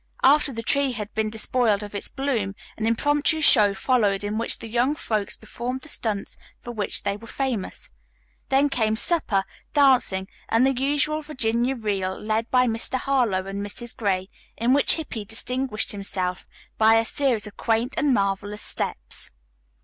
After the tree had been despoiled of its bloom, an impromptu show followed in which the young folks performed the stunts for which they were famous. Then came supper, dancing, and the usual Virginia Reel, led by Mr. Harlowe and Mrs. Gray, in which Hippy distinguished himself by a series of quaint and marvelous steps.